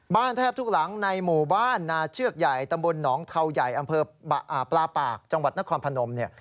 แทบทุกหลังในหมู่บ้านนาเชือกใหญ่ตำบลหนองเทาใหญ่อำเภอปลาปากจังหวัดนครพนมเนี่ย